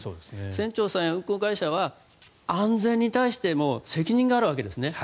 船長さんや運航会社は安全に対しても責任があるわけですね。